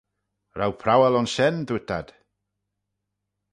R'ou prowal ayns shen? dooyrt ad.